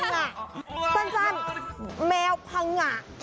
สั้นแมวพังงะ